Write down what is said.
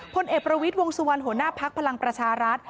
พลเอกประวิทย์วงสุวรรณหัวหน้าภักดิ์พลังประชารัฐ